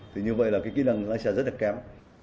thì như vậy là cái kỹ năng lái xe rất là kém